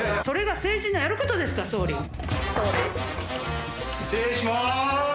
それが政治のやることですか⁉総理。